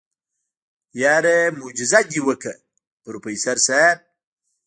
يره موجيزه دې وکړه پروفيسر صيب.